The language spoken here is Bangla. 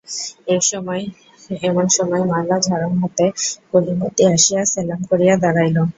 এমন সময় ময়লা ঝাড়ন হাতে কলিমদ্দি আসিয়া সেলাম করিয়া দাঁড়াইল।